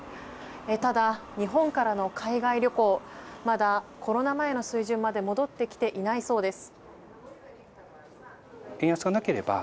ただ、日本からの海外旅行まだコロナ前までの水準に戻ってきていないそうです。